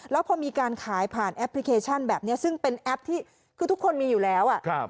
แล้วพอมีการขายผ่านแอปพลิเคชันแบบนี้ซึ่งเป็นแอปที่คือทุกคนมีอยู่แล้ว